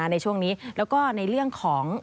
ในช่วงนี้แล้วก็ในเรื่องของ